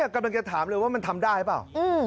กำลังจะถามเลยว่ามันทำได้เปล่า